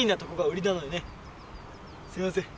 すみません。